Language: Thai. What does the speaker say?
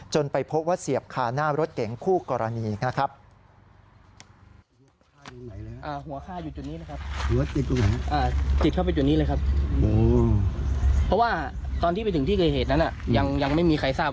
ไปพบว่าเสียบคาหน้ารถเก๋งคู่กรณีนะครับ